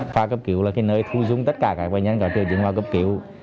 khoa cấp cứu là cái nơi thu dung tất cả các bệnh nhân có tiêu chứng vào cấp cứu